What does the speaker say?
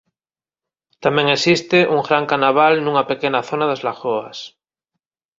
Tamén existe un gran canaval nunha pequena zona das lagoas.